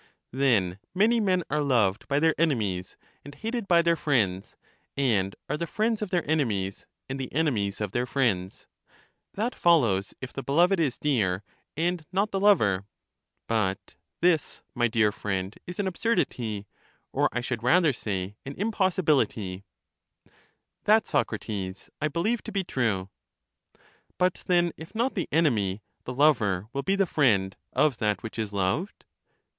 Then many men are loved by their enemies, and hated by their friends, and are the friends of their ene mies, and the enemies of their friends — that follows if the beloved is dear, and not the lover : but this, my dear friend, is an absurdity, or, I should rather say, an impossibilit5^ That, Socrates, I believe to be true. 64 LYSIS But then, if not the enemy, the lover will be the friend, of that which is loved?